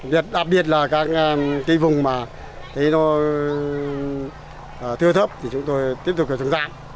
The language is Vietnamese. đặc biệt là các cái vùng mà thấy nó thưa thấp thì chúng tôi tiếp tục phải trồng ra